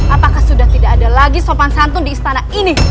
apakah sudah tidak ada lagi sopan santun di istana ini